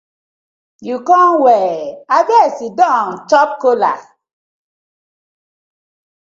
Yu com well, abeg siddon eat kola.